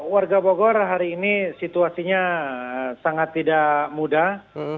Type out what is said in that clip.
warga bogor hari ini situasinya sangat tidak mudah